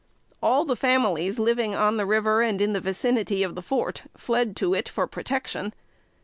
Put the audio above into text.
All the families living on the river and in the vicinity of the fort, fled to it for protection.